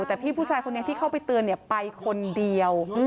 แต่พี่ผู้ชายคนนี้ที่เข้าไปเตือนไปคนเดียว